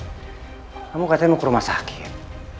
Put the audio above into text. kamu katanya mau ke rumah sakit